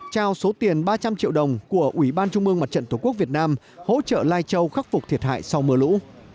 trao số tiền ba trăm linh triệu đồng của ủy ban trung mương mặt trận tổ quốc việt nam hỗ trợ lai châu khắc phục thiệt hại sau mưa lũ